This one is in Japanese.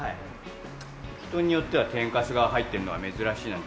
人によっては天かすが入ってるのは珍しいなんて。